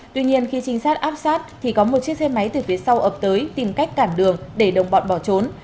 tuy nhiên khi trinh sát áp sát thì có một chiếc xe máy từ phía sau ập tới tìm cách cản đường để đồng bọn bỏ trốn